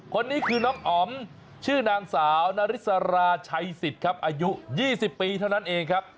คนนี้คือน้องอ๋อมชื่อนางสาวนาริสราชัยสิทธิ์ครับอายุ๒๐ปีเท่านั้นเองครับ